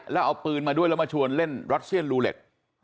แล้วเอาปืนมาด้วยแล้วมาชวนเล่นรัสเซียนรูเล็ต